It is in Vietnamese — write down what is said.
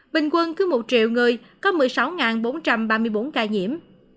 bình quân cứ một triệu người có một mươi sáu bốn trăm ba mươi bốn ca nhiễm